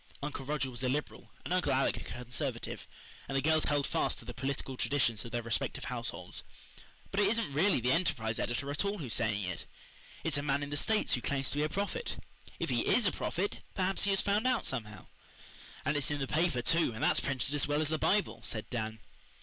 Uncle Roger was a Liberal and Uncle Alec a Conservative, and the girls held fast to the political traditions of their respective households. "But it isn't really the Enterprise editor at all who is saying it it's a man in the States who claims to be a prophet. If he IS a prophet perhaps he has found out somehow." "And it's in the paper, too, and that's printed as well as the Bible," said Dan.